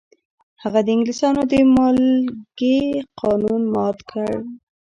هغه د انګلیسانو د مالګې قانون مات کړ.